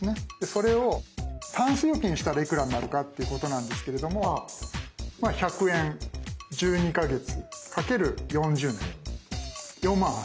それを「たんす預金」したらいくらになるかっていうことなんですけれども１００円１２か月×４０年４万８，０００円になります。